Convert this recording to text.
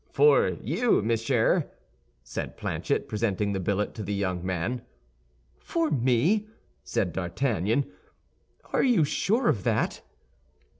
"For you, monsieur," said Planchet, presenting the billet to the young man. "For me?" said D'Artagnan; "are you sure of that?"